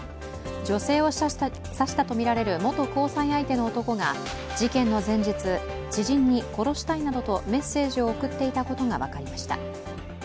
女性と刺したとみられる元交際相手の男が事件の前日、知人に殺したいなどとメッセージを送っていたことが分かりました。